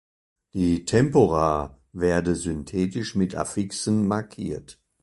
Die Tempora werde synthetisch mit Affixen markiert.